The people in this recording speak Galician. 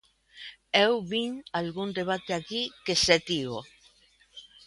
Eu vin algún debate aquí que se tivo.